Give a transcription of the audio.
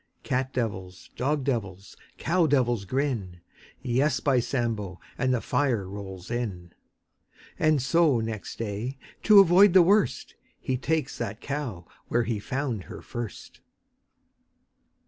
Cat devils, dog devils, cow devils grin — Yes, by Sambo, And the fire rolls in. 870911 100 VACHEL LINDSAY And so, next day, to avoid the worst — He ta'kes that cow Where he found her first.